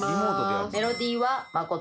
メロディーは誠。